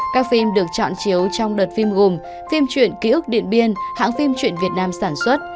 các phim được chọn chiếu trong đợt phim gồm phim truyện ký ức điện biên hãng phim truyện việt nam sản xuất